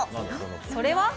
それは？